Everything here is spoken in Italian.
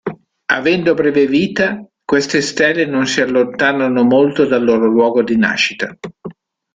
Avendo breve vita, queste stelle non si allontanano molto dal loro luogo di nascita.